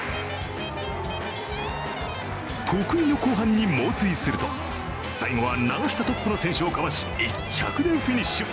得意の後半に猛追すると、最後は流したトップの選手をかわし、１着でフィニッシュ。